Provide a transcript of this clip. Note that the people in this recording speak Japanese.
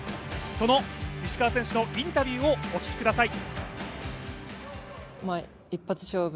その石川選手のインタビューをお聞きください。